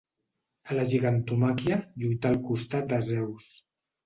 A la Gigantomàquia lluità al costat de Zeus.